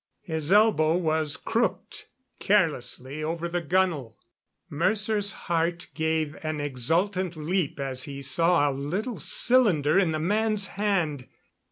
His elbow was crooked, carelessly over the gunwale. Mercer's heart gave an exultant leap as he saw a little cylinder in the man's hand.